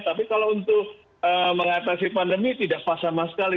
tapi kalau untuk mengatasi pandemi tidak pas sama sekali